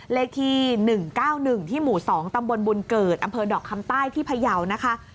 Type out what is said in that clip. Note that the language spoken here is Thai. เลขที่๑๙๑ที่หมู่๒ตำบลบุญเกิดอำเภอดอกคำใต้ที่พยาวนะคะ